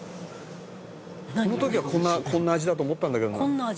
「この時はこんな味だと思ったんだけどな」